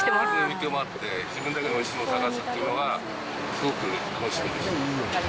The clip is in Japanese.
見てまして、自分だけのおいしいものを探すっていうのが、すごく楽しいです。